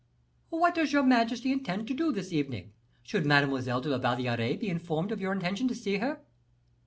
"What does your majesty intend to do this evening shall Mademoiselle de la Valliere be informed of your intention to see her?"